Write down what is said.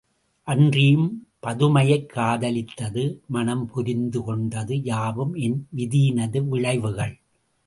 அன்றியும் பதுமையைக் காதலித்தது, மணம் புரிந்து கொண்டது யாவும் என் விதியினது விளைவுகள்.